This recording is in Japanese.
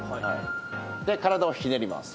で体をひねります。